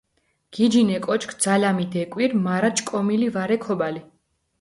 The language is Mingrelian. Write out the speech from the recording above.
გიჯინ ე კოჩქ, ძალამი დეკვირ, მარა ჭკომილი ვარე ქობალი.